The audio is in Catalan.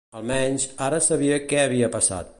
Almenys, ara sabia què havia passat.